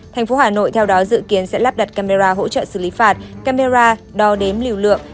tp hà nội theo đó dự kiến sẽ lắp đặt camera hỗ trợ xử lý phạt camera đo đếm lưu lượng